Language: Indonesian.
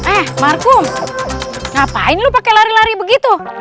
eh markum ngapain lo pake lari lari begitu